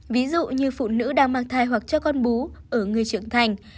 ví dụ như phụ nữ đang mang thai hoặc cho con bú ở người trưởng thành